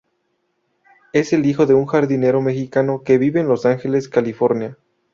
Es el hijo de un jardinero mexicano que vive en Los Ángeles, California.